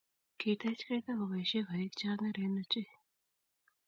Kitech kaita koboishe koik che angeren ochei.